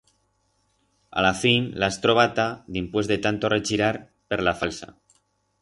A la fin l'has trobata dimpués de tanto rechirar per la falsa.